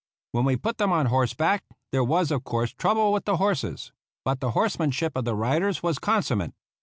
When we put them on horseback, there was, of course, ^rouble with the horses; but the M RAISING THE REGIMENT horsemanship of the riders was consummate.